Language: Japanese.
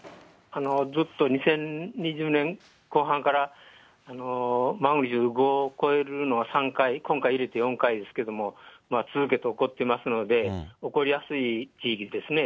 ずっと２０２０年後半からマグニチュード５を超えるのは３回、今回入れて４回ですけれども、続けて起こってますので、起こりやすい地域ですね。